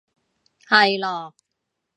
係囉